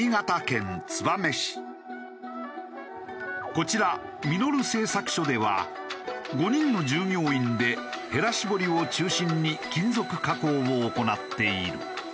こちらミノル製作所では５人の従業員でへら絞りを中心に金属加工を行っている。